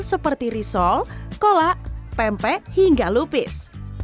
seperti risol kolak pempek hingga lupis